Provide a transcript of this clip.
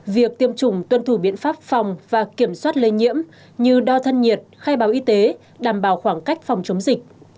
việc tiêm chủng tuân thủ biện pháp phòng và kiểm soát lây nhiễm như đo thân nhiệt khai báo y tế đảm bảo khoảng cách phòng chống dịch